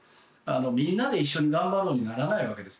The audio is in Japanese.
みんなで一緒に頑張ろうにならないわけです。